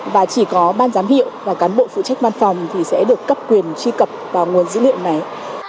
và chỉ có ban giám hiệu và cán bộ phụ trách văn phòng thì sẽ được cấp quyền truy cập vào nguồn dữ liệu này